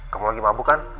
kamu lagi mabuk kan